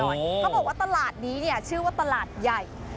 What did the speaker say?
เขาบอกว่าตลาดนี้เนี่ยชื่อว่าตลาดใหญ่